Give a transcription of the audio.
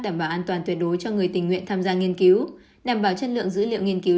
đảm bảo an toàn tuyệt đối cho người tình nguyện tham gia nghiên cứu đảm bảo chất lượng dữ liệu nghiên cứu